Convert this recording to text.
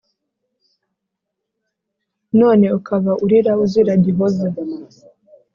none ukaba urira uzira gihoza